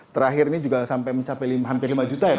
terakhir ini juga sampai mencapai hampir lima juta ya pak